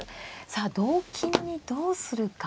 さあ同金にどうするか。